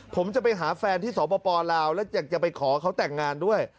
ผมจะไปหาแฟนที่สปลาวแล้วอยากจะไปขอเขาแต่งงานด้วย